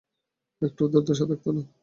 একটুও দুর্দশা থাকতো না।